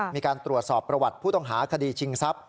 มีการตรวจสอบประวัติผู้ต้องหาคดีชิงทรัพย